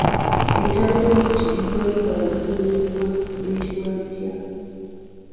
Ettabi ly'omuti eriwanuka waggulu ne ligwa liyitibwa litya?